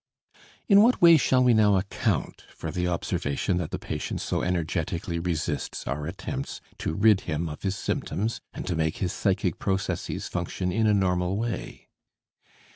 In what way shall we now account for the observation that the patient so energetically resists our attempts to rid him of his symptoms and to make his psychic processes function in a normal way?